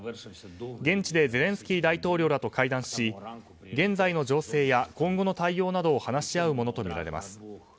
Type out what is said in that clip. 現地でゼレンスキー大統領らと会談し現在の情勢や今後の対応などを話し合うものとみられます。